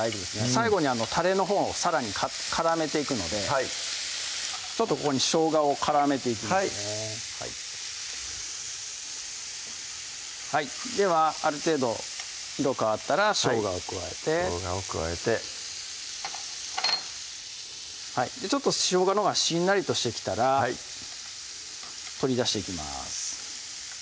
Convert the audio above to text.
最後にたれのほうさらに絡めていくのでちょっとここにしょうがを絡めていきますねではある程度色変わったらしょうがを加えてしょうがを加えてちょっとしょうがのほうがしんなりとしてきたら取り出していきます